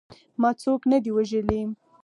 ما څوک نه دي وژلي.